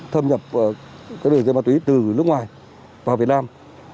thâm nhập các đường dây ma túy từ nước ngoài vào việt nam